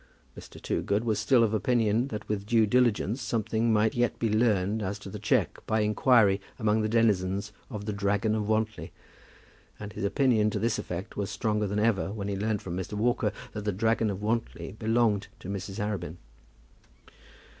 Mr. Toogood was still of opinion that with due diligence something might yet be learned as to the cheque, by inquiry among the denizens of "The Dragon of Wantly;" and his opinion to this effect was stronger than ever when he learned from Mr. Walker that "The Dragon of Wantly" belonged to Mrs. Arabin.